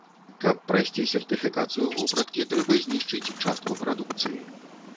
Каб прайсці сертыфікацыю вопраткі, трэба знішчыць частку прадукцыі.